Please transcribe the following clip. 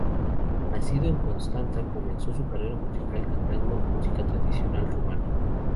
Nacido en Constanza, comenzó su carrera musical cantando música tradicional rumana.